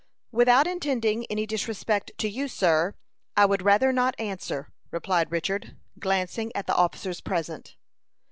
"Without intending any disrespect to you, sir, I would rather not answer," replied Richard, glancing at the officers present.